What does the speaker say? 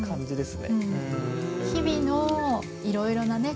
そういう日々のいろいろなね